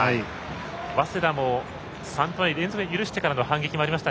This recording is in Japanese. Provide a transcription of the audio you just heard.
早稲田も３トライ連続を許してからの反撃もありました。